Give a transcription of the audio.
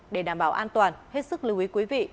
để đảm bảo an toàn hết sức lưu ý quý vị